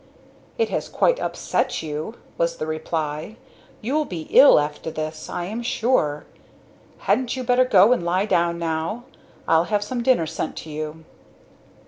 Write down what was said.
"It has quite upset you!" was the reply. "You'll be ill after this, I am sure. Hadn't you better go and lie down now? I'll have some dinner sent to you."